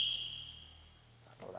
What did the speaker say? さあどうだ。